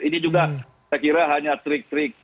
ini juga saya kira hanya trik trik